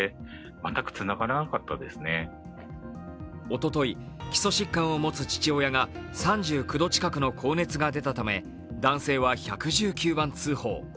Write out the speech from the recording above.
おととい基礎疾患を持つ父親が３９度近くの高熱が出たため男性は１１９番通報。